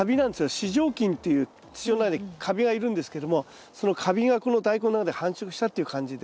糸状菌っていう土の中にカビがいるんですけどもそのカビがこのダイコンの中で繁殖したっていう感じで。